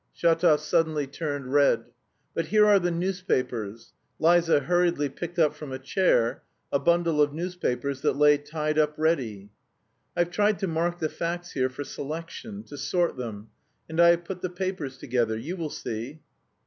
Shatov suddenly turned red. "But here are the newspapers." Liza hurriedly picked up from a chair a bundle of newspapers that lay tied up ready. "I've tried to mark the facts here for selection, to sort them, and I have put the papers together... you will see."